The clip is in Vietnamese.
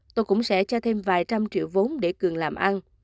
tôi cũng sẽ cho thêm vài trăm triệu vốn để cường làm ăn